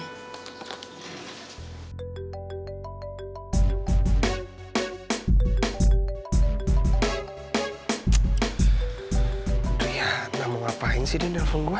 adriana mau ngapain sih dia nelfon gue